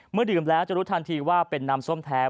ดื่มแล้วจะรู้ทันทีว่าเป็นน้ำส้มแท้